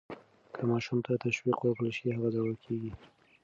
که ماشوم ته تشویق ورکړل شي، هغه زړور کیږي.